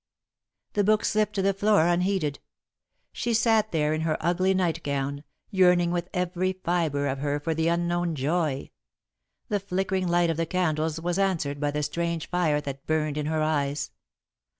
The book slipped to the floor unheeded. She sat there in her ugly nightgown, yearning with every fibre of her for the unknown joy. The flickering light of the candles was answered by the strange fire that burned in her eyes.